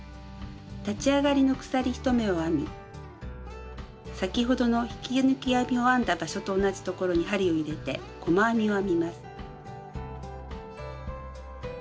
立ち上がりの鎖１目を編み先ほどの引き抜き編みを編んだ場所と同じ所に針を入れて細編みを編みます。